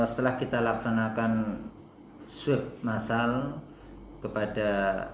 setelah kita laksanakan swab masal kepada